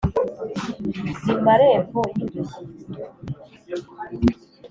ni marembo y' indushyi;